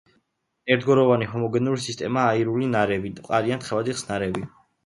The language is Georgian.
ერთგვაროვანი ჰომოგენურ სისტემაა აირული ნარევი, მყარი ან თხევადი ხსნარები.